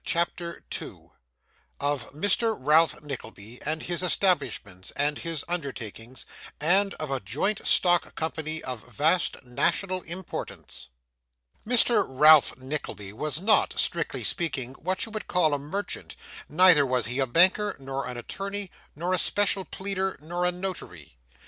CHAPTER 2 Of Mr. Ralph Nickleby, and his Establishments, and his Undertakings, and of a great Joint Stock Company of vast national Importance Mr. Ralph Nickleby was not, strictly speaking, what you would call a merchant, neither was he a banker, nor an attorney, nor a special pleader, nor a notary.